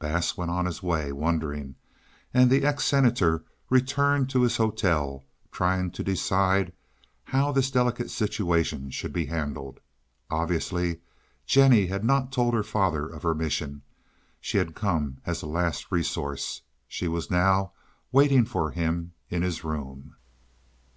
Bass went his way wondering, and the ex Senator returned to his hotel trying to decide just how this delicate situation should be handled. Obviously Jennie had not told her father of her mission. She had come as a last resource. She was now waiting for him in his room.